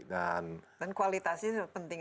dan kualitasnya juga penting